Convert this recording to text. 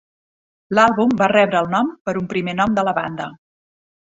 L'àlbum va rebre el nom per un primer nom de la banda.